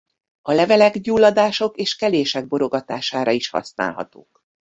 A levelek gyulladások és kelések borogatására is használhatók.